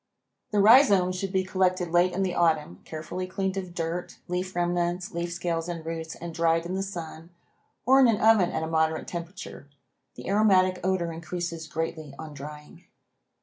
The rhizomes should be collected late in the autumn, carefully cleaned of dirt, leaf remnants, leaf scales and roots and dried in the sun or in an oven at a moderate temperature. The aromatic odor increases greatly on drying.